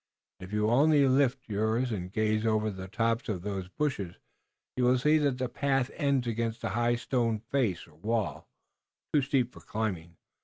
If you will only lift yours and gaze over the tops of those bushes you will see that the path ends against a high stone face or wall, too steep for climbing.